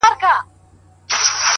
د غلا تعویذ -